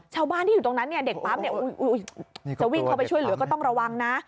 ชาวบ้านที่อยู่ตรงนั้นเนี่ยเด็กปั๊มจะวิ่งเข้าไปช่วยเหลือก็ต้องระวังนะ